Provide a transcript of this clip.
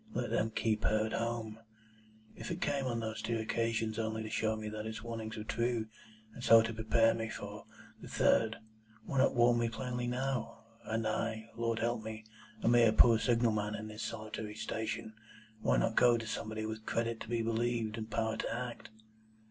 Let them keep her at home'? If it came, on those two occasions, only to show me that its warnings were true, and so to prepare me for the third, why not warn me plainly now? And I, Lord help me! A mere poor signal man on this solitary station! Why not go to somebody with credit to be believed, and power to act?"